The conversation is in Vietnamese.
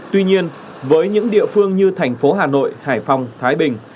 tuy nhiên với những địa phương như thành phố hà nội hải phòng thái bình